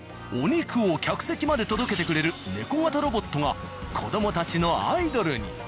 お肉を客席まで届けてくれる猫型ロボットが子供たちのアイドルに。